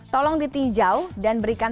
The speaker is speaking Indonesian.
tolong ditinjau dan berikan